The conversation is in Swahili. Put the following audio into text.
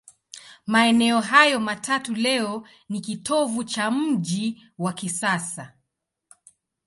Maeneo hayo matatu leo ni kitovu cha mji wa kisasa.